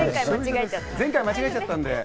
前回、間違えちゃったんで。